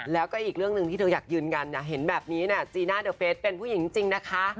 แล้วก็อีกเรื่องหนึ่งที่เธออยากยืนยันเห็นแบบนี้จีน่าเดอเฟสเป็นผู้หญิงจริงนะคะ